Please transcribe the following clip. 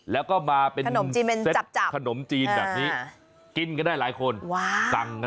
แล้วก็มาเป็นเซ็ตขนมจีนแบบนี้สั่งกันมาหลายกินกันได้หลายคน